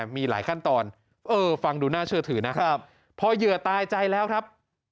มีหลายขั้นตอนฟังดูน่าเชื่อถือนะครับพอเหยื่อตายใจแล้วครับ